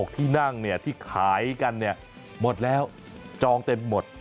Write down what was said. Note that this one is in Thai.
ที่นั่งที่ขายกันหมดแล้วจองเต็มหมด